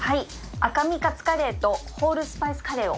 赤身カツカレーとホールスパイスカレーを。